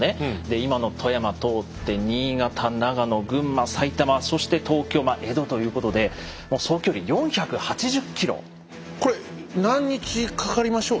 今の富山通って新潟・長野・群馬・埼玉そして東京まあ江戸ということで総距離これ何日かかりましょうなあ。